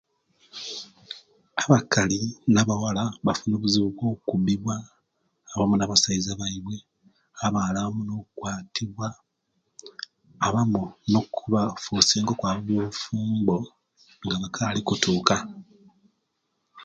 Abakali na'bawala bafuna obuzibu okubbiwa owamu nabasaiza baiwe na abawala owamu no'kwatibwa abamu no' kufosinga okwaba mubufumbo nga bakali okutuka